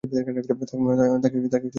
তাঁকে কাছে এনে বসাতেন।